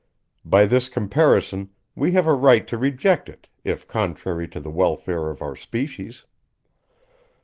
By this comparison, we have a right to reject it, if contrary to the welfare of our species.